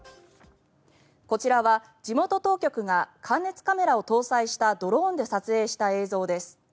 こちらは地元当局が感熱カメラを搭載したドローンで撮影した映像です。